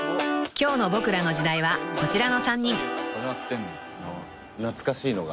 ［今日の『ボクらの時代』はこちらの３人］始まってんの？